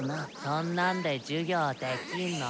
そんなんで授業できんの？